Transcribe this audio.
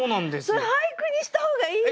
それ俳句にした方がいいよ。